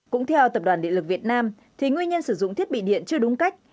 cũng theo tập đoàn điện lực việt nam thì nguyên nhân sử dụng thiết bị điện chưa đúng cách